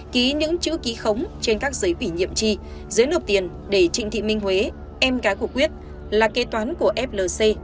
ký những chữ ký khống trên các giấy quỷ nhiệm tri dưới nợp tiền để trịnh thị minh huế em cái của quyết là kế toán của flc